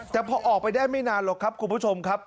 แต่พอออกไปได้ไม่นานหรอกครับคุณผู้ชมครับ